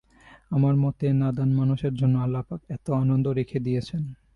আমার মতো নাদান মানুষের জন্য আল্লাহপাক এত আনন্দ রেখে দিয়েছেন।